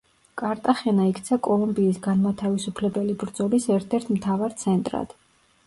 კარტახენა იქცა კოლუმბიის განმათავისუფლებელი ბრძოლის ერთ-ერთ მთავარ ცენტრად.